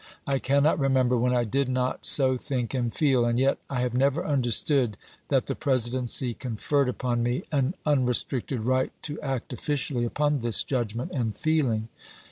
I cannot remember when I did not so think and feel, and yet I have never understood that the Presidency conferred upon me an unrestricted right to act officially upon this judgment and feeling.